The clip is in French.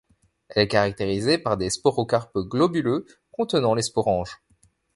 Elle est caractérisée par des sporocarpes globuleux contenant les sporanges.